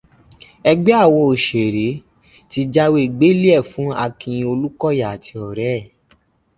Ẹgbẹ́ àwọ òṣèré ti jáwé gbélé ẹ fún Akin Olúkọ̀yà àti ọ̀rẹ́ ẹ̀